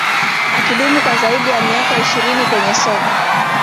akidumu kwa zaidi ya miaka ishirini kwenye soka